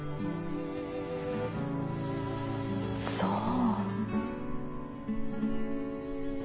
そう。